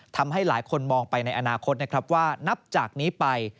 ทำให้หลายคนมองไปในอนาคตนะครับว่านับจากนี้ไป